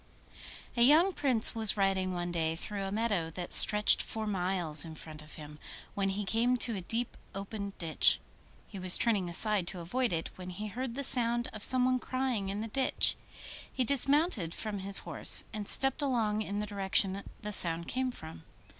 A young Prince was riding one day through a meadow that stretched for miles in front of him, when he came to a deep open ditch. He was turning aside to avoid it, when he heard the sound of someone crying in the ditch. He dismounted from his horse, and stepped along in the direction the sound came from.